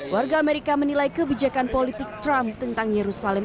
warga amerika menilai kebijakan politik trump tentang yerusalem